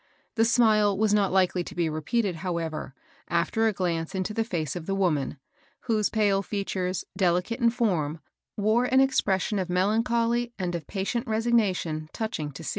The smile was not likely to be repeated, however, after a glance into the fece of the woman, whose pale features, deUcate in form, wore an ex pression of melancholy and of patient resignation touching to see.